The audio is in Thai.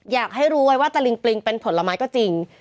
อยากให้รู้ไว้ว่าตะลิงปลิงเป็นผลไม้ก็จริง